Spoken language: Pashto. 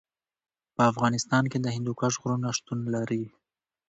په افغانستان کې د هندوکش غرونه شتون لري.